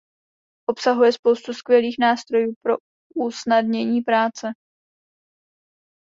Obsahuje spoustu skvělých nástrojů pro usnadnění práce.